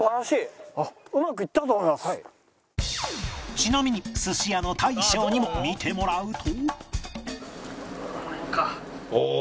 ちなみにすし屋の大将にも見てもらうと